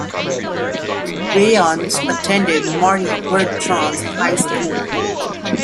Wayans attended Murry Bergtraum High School.